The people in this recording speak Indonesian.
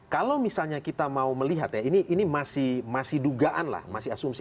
kalau misalnya kita mau melihat ya ini masih dugaan lah masih asumsi